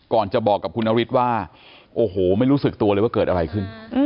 จะบอกกับคุณนฤทธิ์ว่าโอ้โหไม่รู้สึกตัวเลยว่าเกิดอะไรขึ้น